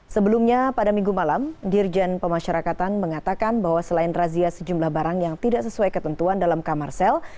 sebelumnya pada minggu malam dirjen pemasyarakatan mengatakan bahwa selain razia sejumlah barang yang tidak sesuai ketentuan dalam kamar sel